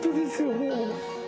もう。